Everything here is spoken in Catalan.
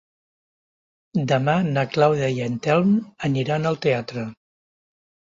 Demà na Clàudia i en Telm aniran al teatre.